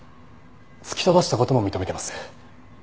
突き飛ばした事も認めてます。